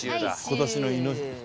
今年の亥。